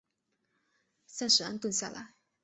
暂时安顿下来